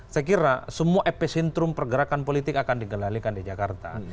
saya kira semua epicentrum pergerakan politik akan dikendalikan di jakarta